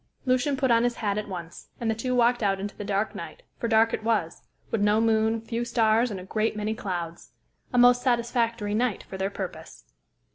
Lucian put on his hat at once, and the two walked out into the dark night, for dark it was, with no moon, few stars, and a great many clouds. A most satisfactory night for their purpose.